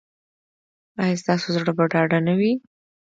ایا ستاسو زړه به ډاډه نه وي؟